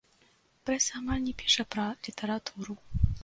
Прэса амаль не піша пра літаратуру.